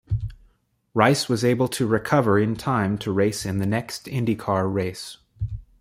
Rice was able to recover in time to race in the next IndyCar race.